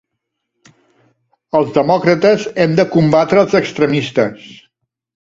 Els demòcrates hem de combatre els extremistes.